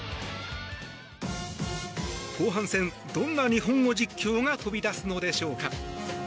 後半戦、どんな日本語状況が飛び出すのでしょうか。